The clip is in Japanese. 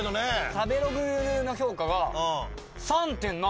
食べログの評価が３．７。